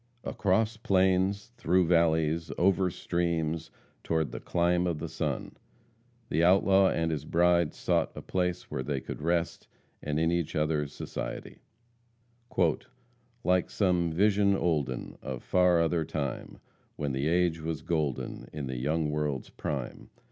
Across plains, through valleys, over streams toward "the clime of the sun," the outlaw and his bride sought a place where they could rest, and in each other's society, "Like some vision olden Of far other time, When the age was golden, In the young world's prime.